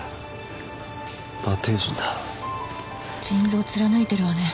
腎臓を貫いてるわね。